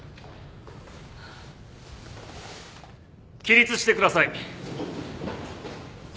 起立してください。